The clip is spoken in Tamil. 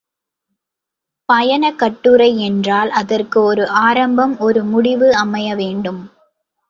பயணக் கட்டுரை என்றால் அதற்கு ஒரு ஆரம்பம் ஒரு முடிவு அமைய வேண்டும்.